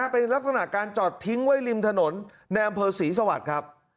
เป็นลักษณะการจอดทิ้งไว้ริมถนนในอำเภอศรีสวรรค์ครับ